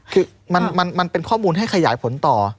คือมันเป็นข้อมูลให้ขยายผลต่อ